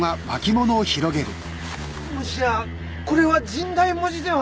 もしやこれは神代文字では？